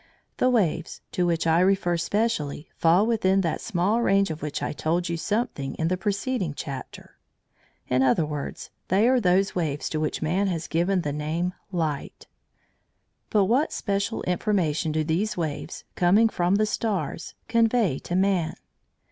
The waves, to which I refer specially, fall within that small range of which I told you something in the preceding chapter. In other words, they are those waves to which man has given the name light. But what special information do these waves, coming from the stars, convey to man?